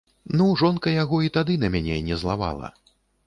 Ну, жонка яго і тады на мяне не злавала.